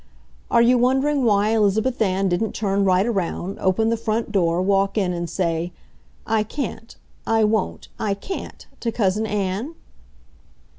Are you wondering why Elizabeth Ann didn't turn right around, open the front door, walk in, and say, "I can't! I won't! I can't!" to Cousin Ann?